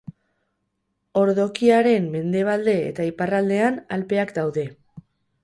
Ordokiaren mendebalde eta iparraldean Alpeak daude.